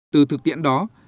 từ thực tiện đồng chí